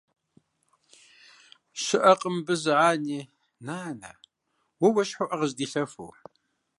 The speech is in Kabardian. Щыӏэкъым мыбы зы ани, нанэ, уэ уэщхьу ӏэ къыздилъэфу.